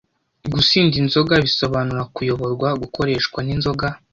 gusinda inzoga bisobanura kuyoborwa, gukoreshwa n'inzoga.